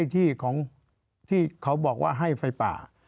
ที่เขาบอกว่าให้ไฟป่า